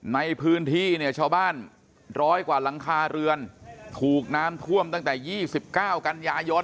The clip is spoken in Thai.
ในพื้นที่เนี่ยชาวบ้านร้อยกว่าหลังคาเรือนถูกน้ำท่วมตั้งแต่๒๙กันยายน